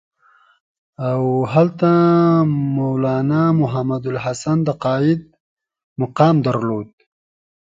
او هلته مولنا محمودالحسن د قاید مقام درلود.